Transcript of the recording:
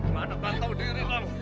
mana bantau diri lo